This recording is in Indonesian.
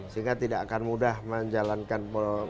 sehingga tidak akan mudah menjalankan